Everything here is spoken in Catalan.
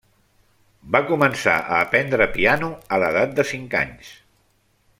Va començar a aprendre piano a l'edat de cinc anys.